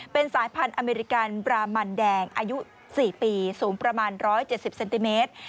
เป็นสายพันธุ์อัมเมริกัลมันแดงอายุสี่ปีสูงประมาณร้อยเจ็ดสิบเซนติเมตร